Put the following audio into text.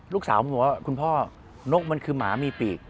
เขาบอกว่าคุณพ่อนกมันคือหมามีปีก